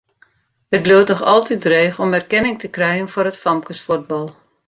It bliuwt noch altyd dreech om erkenning te krijen foar it famkesfuotbal.